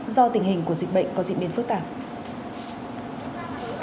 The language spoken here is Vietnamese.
do tình hình của dịch bệnh có diễn biến phức tạp